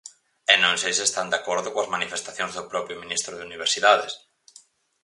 E non sei se están de acordo coas manifestacións do propio ministro de Universidades.